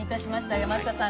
山下さん